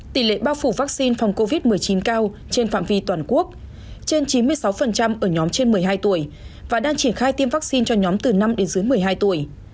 tỷ lệ bao phủ vaccine phòng covid một mươi chín cao trên phạm vi toàn quốc trên chín mươi sáu ở nhóm trên một mươi hai tuổi và đang triển khai tiêm vaccine cho nhóm từ năm đến dưới một mươi hai tuổi